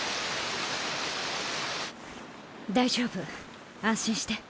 大丈夫安心して。